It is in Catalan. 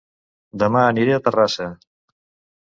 Dema aniré a Terrassa